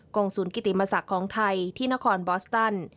งศูนย์กิติมศักดิ์ของไทยที่นครบอสตัน